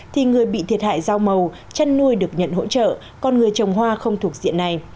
thì người bị thiệt hại rau màu chăn nuôi được nhận hỗ trợ còn người trồng hoa không thuộc diện này